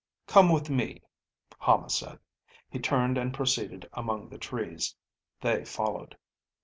"Come with me," Hama said. He turned and proceeded among the trees. They followed.